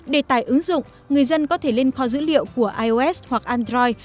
để tải ứng dụng người dân có thể lên kho dữ liệu của ios hoặc android